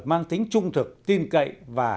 mang tính trung thực tin cậy và